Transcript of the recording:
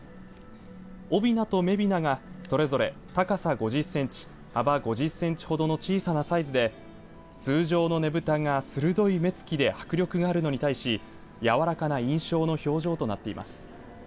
おびなとめびながそれぞれ高さ５０センチ幅５０センチほどの小さなサイズで通常のねぶたが鋭い目つきで迫力があるのに対しやわらかな印象の表情となっています。